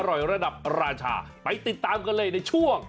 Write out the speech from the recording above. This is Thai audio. อร่อยระดับราชาไปติดตามกันเลยในช่วง